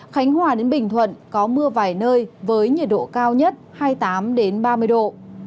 khánh hòa đến bình thuận có mưa vài nơi với nhiệt độ cao nhất hai mươi tám ba mươi độ